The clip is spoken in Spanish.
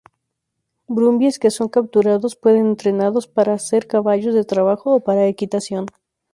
Brumbies que son capturados pueden entrenados para ser caballos de trabajo o para equitación.